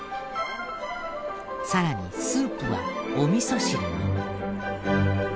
さらにスープはお味噌汁に。